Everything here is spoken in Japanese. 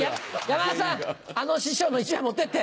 山田さんあの師匠の１枚持ってって。